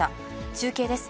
中継です。